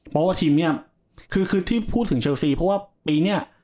เพราะว่าทีมนี้คือที่พูดถึงเชลซีเพราะว่าปีนี้